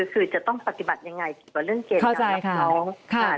คือจะต้องปฏิบัติอย่างไรกี่กว่าเรื่องเกณฑ์การรับน้อง